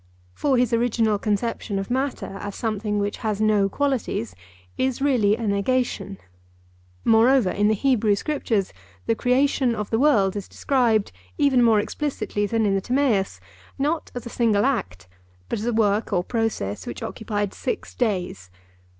For his original conception of matter as something which has no qualities is really a negation. Moreover in the Hebrew Scriptures the creation of the world is described, even more explicitly than in the Timaeus, not as a single act, but as a work or process which occupied six days.